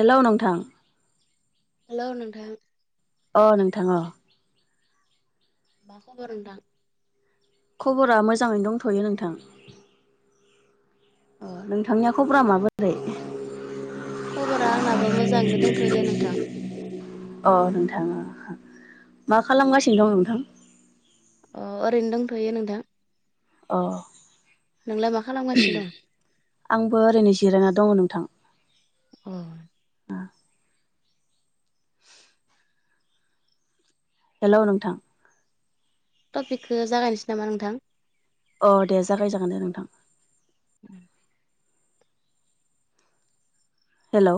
हेल' नोंथां। हेल' नोंथां। अ नोंथां अ। मा खबर नोंथां। खबरा मोजाङैनो दंथ'यो नोंथां अ नोंथांनिया खबरा माबोरै खबरा आंनाबो मोजाङैनो दोनथ'यो दे नोंथां अ नोंथाङा मा खालामगासिनो दं नोंथां। अ ओरैनो दंथ'यो नोंथां। औ। नोंलाय मा खालामगासिनो दं आंबो ओरैनो जिरायना दङ नोंथां‌ औ। [inaudible] हेल' नोंथां। टपिकखो जागायनोसै नामा नोंथां। अ दे जागायजागोन दे नोंथां। उम हेलौ।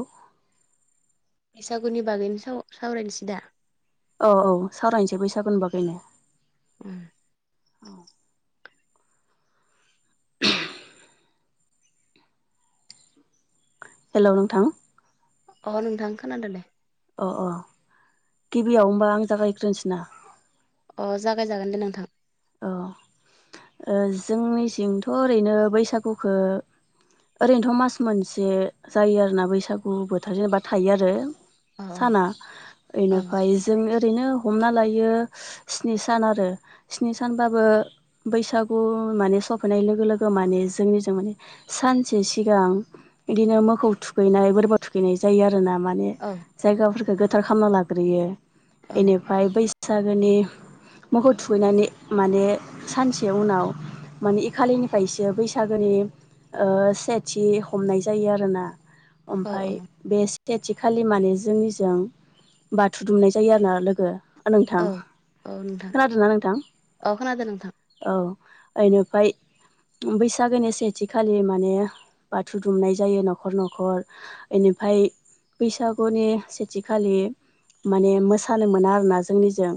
बैसागुनि बागैनो साव सावरायनोसै दा औ औ सावरायनोसै बैसागु बागैनो उम। औ। [unintelligible] हेलौ नोंथां, अ नोंथां खोनादो दे। अ अ गिबियाव होमबा आं जागायग्रोनसै ना। अ जागाय जागोन दे नोंथां, अ ओ जोंनिसिंथ' ओरैनो बैसागुखौ ओरैनोथ' मास मोनसे जायो आरोना बैसागु बोथोर जेनेबा थायो आरो, अ साना अ बेयनिफ्राय जोङो ओरैनो हमना लायो स्नि सान आरो स्नि सानबाबो बैसागु माने सफैनाय लोगो लोगो माने जोंनिजो माने सानसे सिगां इदिनो मोसौ थुखैनाय बोरमा थुखैनाय जायो आरो रोना माने औ जायगाफोरखौ गोथार खालामना लाग्रोयो औ एनिफाय बै सागोनि मोसौ थुखैनानै माने सानसे उनाव माने एखालिनिफायसो बैसागोनि ओ सेथि हमनाय जायो आरोना ओमफ्राय औ बे थेनथि खालि माने जोंनिजों बाथौ दुमनाय जायो आरो ना लोगो ओ औ नोंथां औ नोंथां खोनादोंना नों औ खोनादों नोंथां औ ओयनिफ्राय बैसागोनि सेथिखालि माने बाथौ दुमनाय जायो न'खर न'खरनि एनिब फ्राय बैसागुनि सेथिखालि माने मोसानो मोना आरोना जोंनिजों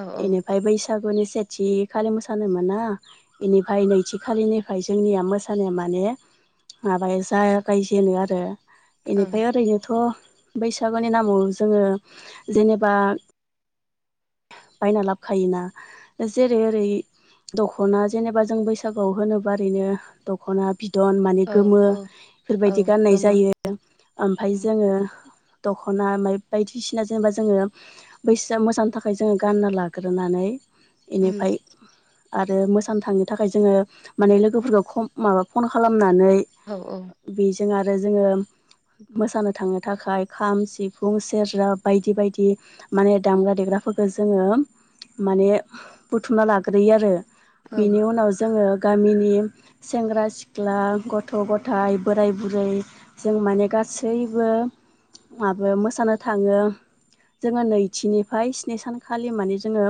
औ औ एनिफा बैस सागुनि सेथि खालि मोसानो मोना, एनिफ्राय नैथि खालिनिफाय जोंनिया मोसानो मोन ने माबाया जागायजेनो आरो औ एनिफाय ओरैनोथ' बैसागुनि नामाव जोङो जेनेबा बायना लाबखायोना जेरै ओरै, दख'ना जेनेबा जों बैसागोआव होनोबा ओरैनो दख'ना बि दन माने औ गोमो औ औ बेफोरबायदि गाननाय गोमो जायो ओमफ्राय उम जोङो दख'ना ओफ्राय बायदिसिना जेनेबा जोङो बैसागु मोसानो थाख ओमफ्राय जोङो गानना लाग्रोनानै एनिफ्राय आरो मोसानो थांनो थाखाय जोङो माने लोगोफोरखौ खम माबा फन खालाम नानै औ औ बेजों आरो जोङो मोसानो थांनो थाखाय खाम सिफुं सेरजा बायदि बायदि माने दामग्रा देग्रा फोर खो जोङो माने बुथुमना लाग्रोयो आरो औ बेनि उनाव जोङो गामिनि सेंग्रा सिख्ला गथ' गथायाइ बोराय बुरै जों माने गा सैबो माबा मोसानो थाङो जोङो नैथिनिफाय नि सानखालि माने जोङो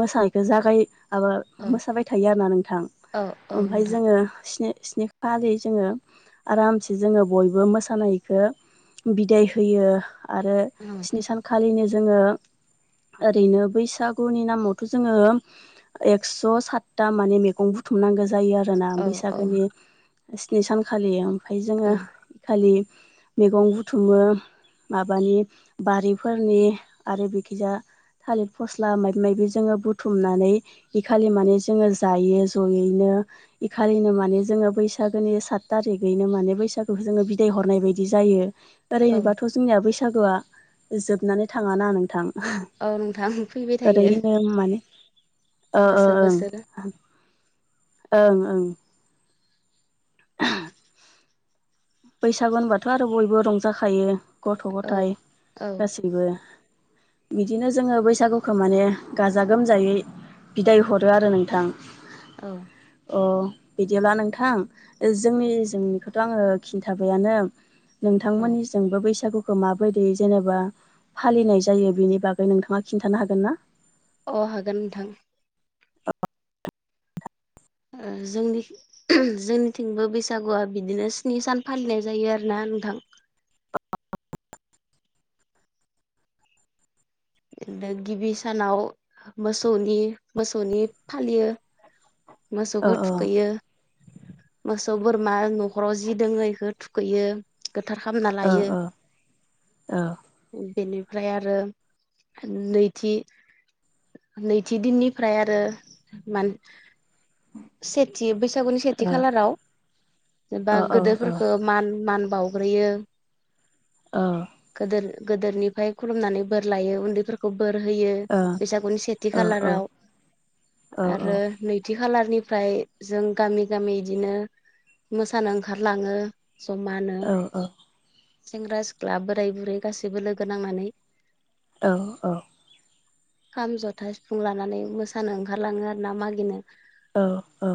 मोसानायखौ जागाय माबा औ मोसाबाय थायो आरोना नोंथां औ औ ओमफाय नोंथां जोङो स्नि स्नि खालि जोङो आरामसे जोङो बयबो मोसानायखौ बिदाय होयो आरो औ स्नि सानखालिनो जोङो ओरैनो बैसागुनि नामावथ' जोङो एक्स' सातथा माने मैगं बुथुमनांगो जायो आरोना औ बैसागोनि स्नि सानखालि ओमफ्राय जोङो औ एखालि मैगं बुथुमो माबानि बारिफोरनि आरो बेखैजा थालिर फस्ला माबि माबि जोङो बुथुमनानै इ खालि माने जोङो जायो जयै नो इखालिनो माने जोङो बैसागोनि सात थारिगयैनो माने बैसागो जों बिदाय हरनाय ब बिदि जायो औ बेरायनोबाथ जोंनिया बैसागुआ जोबनानै थाङा ना नोंथां औ नोंथां फैबाय थायो ओरैनो माने ओ ओ बोसोर बोसोर ओं ओं ओं [unintelligible] बैसागु होनबाथ आरो बयबो रंजाखायो गथ- औ गथायाइ औ गासैबो बिदिनो जोङो बैसागुखौ माने गाजा गोमजायै बिदाय हरो आरो नोंथां औ अ बिदिब्ला नोंथां जोंनि जोंनिखौथ आङो खिन्थाबायानो औ नोंथांमोननि सिमबो बैसागु खौ माबायदि जेनेबा फालिनाय जायो बेनि बागै नोंथाङा खिन्थानो हागोन ना अ हागोन नोंथां ओ जोंनि जोंनिथिंबो बैसागुआ बिदिनो स्नि सान फालिनाय जायो आरो ना ओ नोंथां बिनो गिबि सानाव मोसौनि मोसौनि फालियो ओ मोसौखौ ओ थुखैयो मोसौ बोरमा न'खराव जि दोङो बेखौ थुखैयो गोथार खालामना ओ लायो ओ बेनिफ्राय आरो नैथि नैथि दिननिफ्राय आरो मान सेथि बैसागुनि सेथि खालाराव एबा ओ ओ ओ गोदोरफोरखौ मान मान बावग्रोयो ओ गोदोर गोदोरनिफ्राय खुलुमनानै बोर लायो उन्दैफोरखौ बोर होयो औ बैसागुनि सेथि खालार औ ओ औ औ आरो नैथि खालारनि ओमफ्राय जों गामि गामि बिदिनो मोसानो ओंखारलाङो जमानो औ सेंग्रा सिख्ला बोराय बुरै गासैबो लोगो नांनानै औ औ खाम जथा सिफुं लानानै मोसानो ओंखारलाङो आरो ना मागिनो औ औ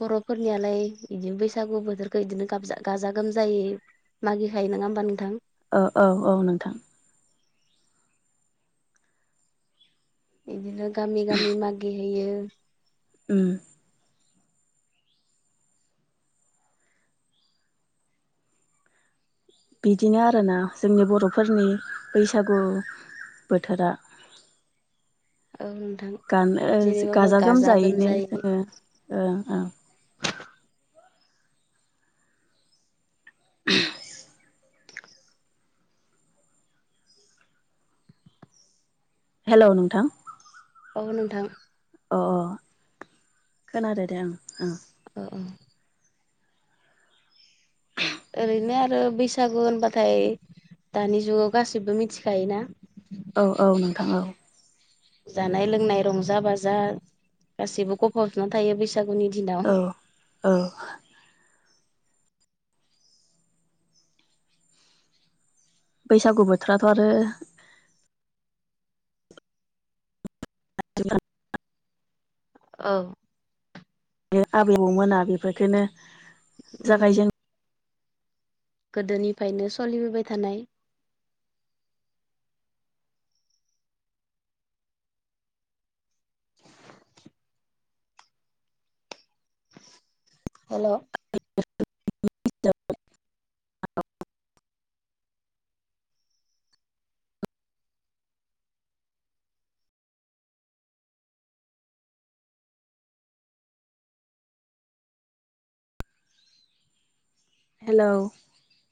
बर'फोरनियालाय बिदिनो बैसागु बोथोरखौ बिदिनो गाबजा गाजा गोमजायै मागि नाय नङा होमबा नोंथां ओ औ औ नोंथां बिदिनो गामि गामि मागिहैयो ओम बिदिनो आरोना जोंनि बर'फोरनि बैसागु बोथोरा [inaudible] औ नोंथां गान ओ जेरैबाबो गाजा गोमजायैनो गोमजायै जोङो ओ ओ [inaudible] [unintelligible] हेलौ नोंथां औ नोंथां अ अ खोनादो दे ओं ओं अ औ ओरैनो आरो बैसागु होनबाथाय दानि जुगाव गासिबो मिथिखाय ना औ औ नोंथां औ जानाय लोंनाय रंजा बाजा गासिबो गफब जोबनानै थायो। बैस सागुनि औ दिनाव औ बैसागु बोथोराथ' आरो आबै औ बे आबै आबौमोना बेफोरखोनो उम जागायजेन गोदोनिफ्रायनो सलिबोबाय थानाय। Hello hello.